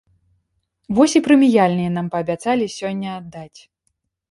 Вось і прэміяльныя нам паабяцалі сёння аддаць.